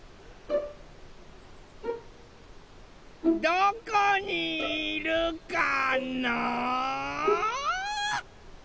・どこにいるかな？